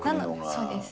そうです。